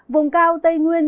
vùng cao tây nguyên